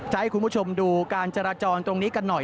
ให้คุณผู้ชมดูการจราจรตรงนี้กันหน่อย